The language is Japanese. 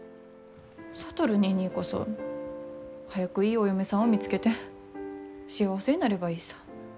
智ニーニーこそ早くいいお嫁さんを見つけて幸せになればいいさ。